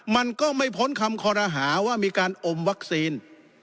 มันก็ไม่พ้นคำคอรหาว่ามีการอมวัคซีน